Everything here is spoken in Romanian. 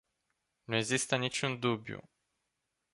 Nu există niciun dubiu.